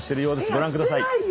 ご覧ください。